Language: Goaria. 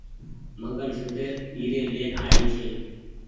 منگل سوتر ٻيري لين آئي ڇي۔